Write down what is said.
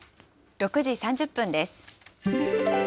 ６時３０分です。